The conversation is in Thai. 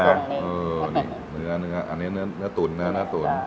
อันนี้เนื้อตุ๋นนะ